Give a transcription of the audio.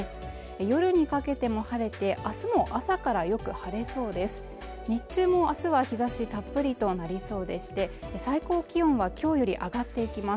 夜にかけても晴れてあすも朝からよく晴れそうです日中も明日は日差したっぷりとなりそうでして最高気温はきょうより上がっていきます